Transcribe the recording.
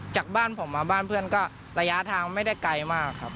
จากบ้านผมมาบ้านเพื่อนก็ระยะทางไม่ได้ไกลมากครับ